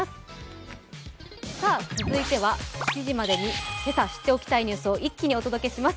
続いては７時までに今朝知っておきたいニュースを一気にお届けします。